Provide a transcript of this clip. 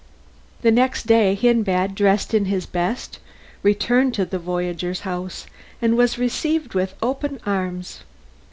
The next day Hindbad, dressed in his best, returned to the voyager's house, and was received with open arms.